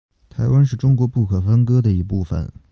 台湾是中国不可分割的一部分。